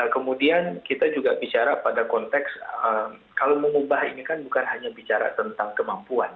kemudian kita juga bicara pada konteks kalau mengubah ini kan bukan hanya bicara tentang kemampuan